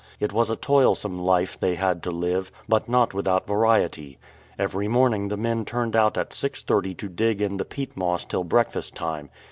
It was a toilsome life they had to live, but not without variety. Every morning the men turned out at 6.30 to dig in the peat moss till breakfast time.